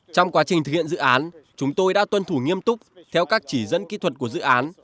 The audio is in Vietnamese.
trong quá trình thực hiện dự án chúng tôi đã tuân thủ nghiêm túc theo các chỉ dẫn kỹ thuật của dự án